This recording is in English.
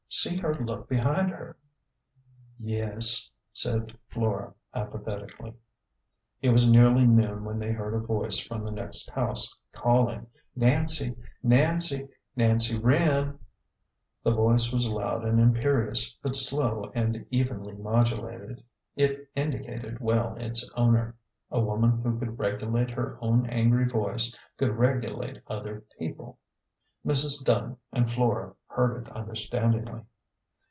See her look behind her." " Yes," said Flora, apathetically. It was nearly noon when they heard a voice from the next house calling, " Nancy ! Nancy ! Nancy Wren !" The voice was loud and imperious, but slow and evenly modu lated. It indicated well its owner. A woman who could regulate her own angry voice could regulate other people. Mrs. Dunn and Flora heard it understandingly.